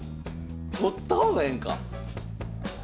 取った方がええんか。